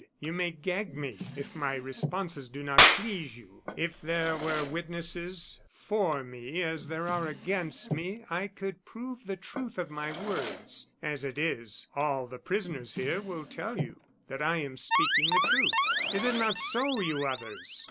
You may gag me if my responses do not please you. If there were witnesses for me as there are against me, I could prove the truth of my words. As it is, all the prisoners here will tell you that I am speaking the truth. Is it not so, you others?"